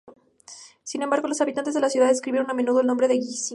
Sin embargo los habitantes de la ciudad escriben a menudo su nombre sin guion.